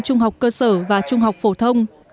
trung học cơ sở và trung học phổ thông